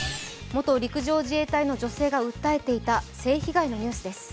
元陸上自衛隊の女性が訴えていた性被害のニュースです。